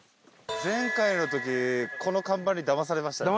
前回の時この看板にだまされましたよね。